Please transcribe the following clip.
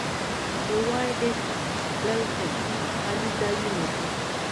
د وایډز ګلکسي خالي ځایونه دي.